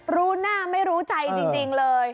รู้หน้าไม่รู้ใจจริงเลย